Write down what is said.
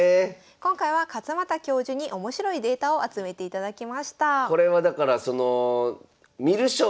今回は勝又教授に面白いデータを集めていただきました。